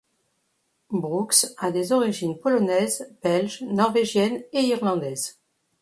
Brooks a des origines polonaises, belges, norvégiennes et irlandaise.